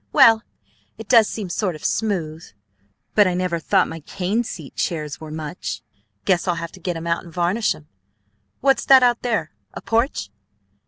"Well, it does seem sort of smooth. But I never thought my cane seat chairs were much. Guess I'll have to get 'em out and varnish 'em. What's that out there, a porch?"